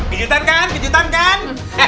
kejutan kan kejutan kan